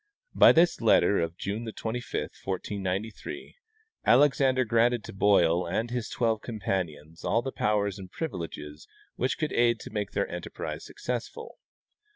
By this letter of June 25, 1493, Alexander granted to Boil and his twelve companions all the powers and privileges which could aid to make their enterprise successful.